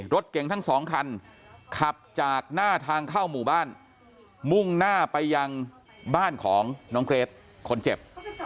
รถเก่งทั้งสองคันขับจากหน้าทางเข้าหมู่บ้านมุ่งหน้าไปยังบ้านของน้องเกรทคนเจ็บ